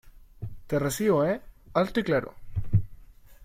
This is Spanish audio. te recibo, ¿ eh? alto y claro.